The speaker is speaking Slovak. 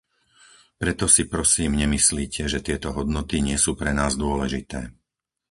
Preto si prosím nemyslite, že tieto hodnoty nie sú pre nás dôležité.